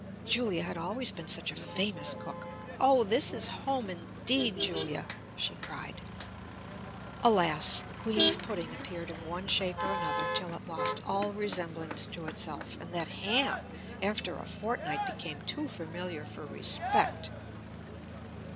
Julia had always been such a famous cook! "Oh, this is home indeed, Julia!" she cried. Alas! The queen's pudding appeared in one shape or another till it lost all resemblance to itself, and that ham after a fortnight became too familiar for respect.